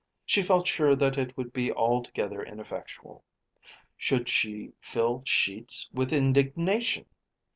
She felt sure that it would be altogether ineffectual. Should she fill sheets with indignation?